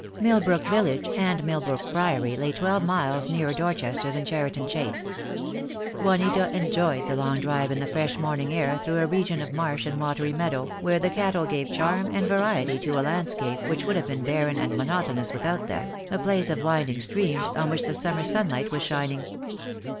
Milbrook Village and Milbrook Priory lay twelve miles nearer Dorchester than Cheriton Chase. Juanita enjoyed the long drive in the fresh morning air through a region of marsh and watery meadow, where the cattle gave charm and variety to a landscape which would have been barren and monotonous without them, a place of winding streams on which the summer sunlight was shining.